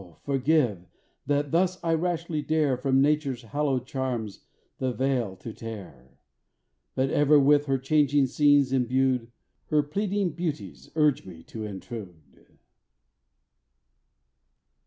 forgive, that thus I rashly dare From Nature's hallowed charms the veil to tear But ever with her changing scenes imbued, Her pleading beauties urge me to intrude.